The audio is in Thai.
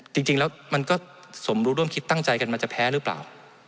จริงแล้วมันก็สมรู้ร่วมคิดตั้งใจกันมันจะแพ้หรือเปล่า